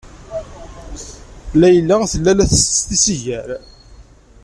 Layla tella la tsett tisigar.